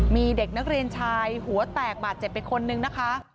มีเด็กนักเรียนชายหัวแตกบาดเจ็บไปคนนึงนะคะ